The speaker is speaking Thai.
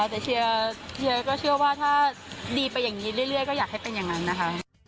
แต่เชียร์ก็เชื่อว่าถ้าดีไปอย่างนี้เรื่อยก็อยากให้เป็นอย่างนั้นนะคะ